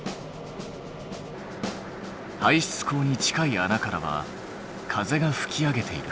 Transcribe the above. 排出口に近い穴からは風が吹き上げている。